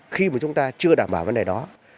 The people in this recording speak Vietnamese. khi mà chúng ta chưa đảm bảo vấn đề đó